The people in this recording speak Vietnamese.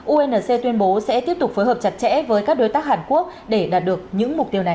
unc tuyên bố sẽ tiếp tục phối hợp chặt chẽ với các đối tác hàn quốc để đạt được những mục tiêu này